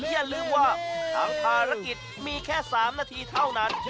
อย่าลืมว่าทางภารกิจมีแค่๓นาทีเท่านั้น